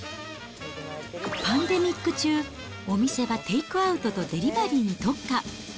パンデミック中、お店はテイクアウトとデリバリーに特化。